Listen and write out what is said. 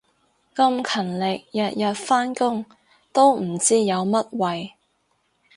咁勤力日日返工都唔知有乜謂